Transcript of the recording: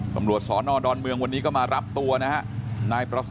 ตำรวจสอนอดอนเมืองวันนี้ก็มารับตัวนะฮะ